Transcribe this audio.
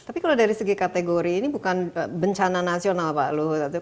tapi kalau dari segi kategori ini bukan bencana nasional pak luhut